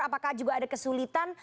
apakah juga ada kesulitan